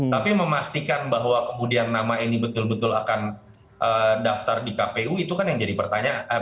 tapi memastikan bahwa kemudian nama ini betul betul akan daftar di kpu itu kan yang jadi pertanyaan